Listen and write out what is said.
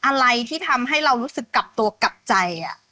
อะไรที่ทำให้เรารู้สึกกลับตัวกลับใจ